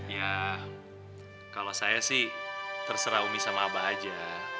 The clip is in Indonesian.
ya kalau saya sih terserah umi sama abah aja